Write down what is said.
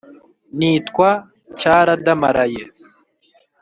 nitwa cyaradamaraye